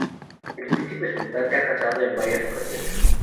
El príncipe Sultán se ha casado en varias ocasiones.